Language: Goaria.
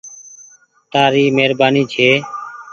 تآري مهرباني ڇي